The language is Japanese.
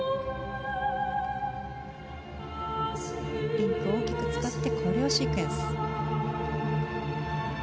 リンクを大きく使ってコレオシークエンス。